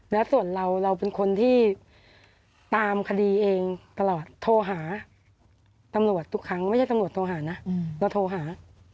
แล้วส่วนเราเราเป็นคนที่ตามคดีเองตลอดโทรหาตำรวจทุกครั้งไม่ใช่ตำรวจโทรหานะเราโทรหา